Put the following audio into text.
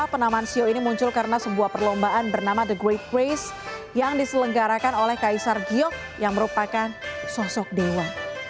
penaman sio ini muncul karena sebuah perlombaan bernama the great race yang diselenggarakan oleh kaisar giok yang merupakan sosok dewa